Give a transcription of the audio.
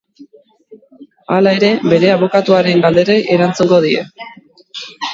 Hala ere, bere abokatuaren galderei erantzungo die.